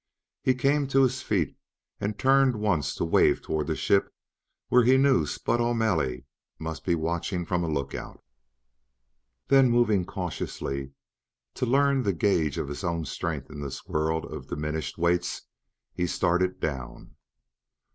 He came to his feet and turned once to wave toward the ship where he knew Spud O'Malley must be watching from a lookout. Then, moving cautiously, to learn the gage of his own strength in this world of diminished weights, he started down.